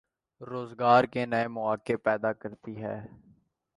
روزگار کے نئے مواقع پیدا کرتی ہے۔